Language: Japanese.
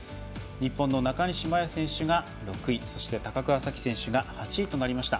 日本の中西麻耶選手が６位そして高桑早生選手８位となりました。